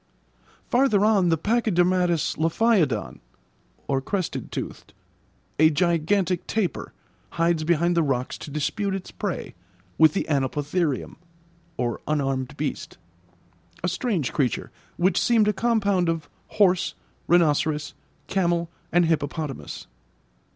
Farther on, the pachydermatous lophiodon (crested toothed), a gigantic tapir, hides behind the rocks to dispute its prey with the anoplotherium (unarmed beast), a strange creature, which seemed a compound of horse, rhinoceros, camel, and hippopotamus.